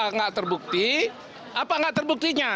tidak terbukti apa tidak terbukti